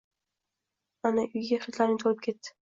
Ana, uyga hidlaring to‘lib ketdi